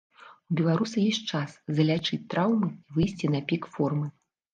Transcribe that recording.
У беларуса ёсць час залячыць траўму і выйсці на пік формы.